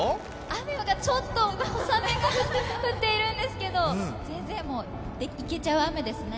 雨がちょっと、小雨が降ってるんですけど全然もう、イケちゃう雨ですね。